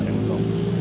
kemudian ya itu